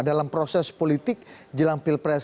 dalam proses politik jelang pilpres